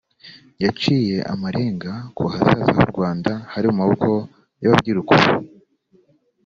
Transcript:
yaciye amarenga ko ahazaza h’u Rwanda hari mu maboko y’Ababyiruka ubu